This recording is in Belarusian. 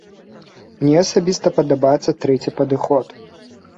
Мне асабіста падабаецца трэці падыход.